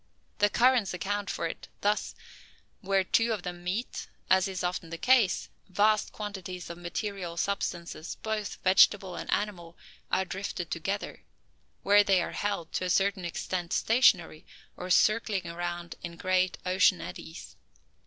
The currents account for it, thus: where two of them meet, as is often the case, vast quantities of material substances, both vegetable and animal, are drifted together; where they are held, to a certain extent, stationary; or circling around in great ocean eddies.